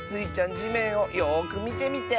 じめんをよくみてみて。